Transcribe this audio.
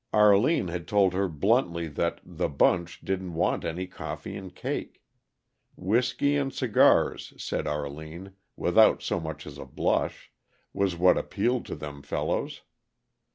Arline had told her bluntly that "the bunch" didn't want any coffee and cake. Whisky and cigars, said Arline, without so much as a blush, was what appealed to them fellows.